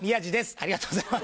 ありがとうございます。